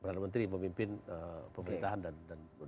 dan ada peran menteri pemimpin pemerintahan dan demokrasi